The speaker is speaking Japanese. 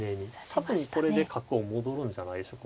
多分これで角を戻るんじゃないでしょうか。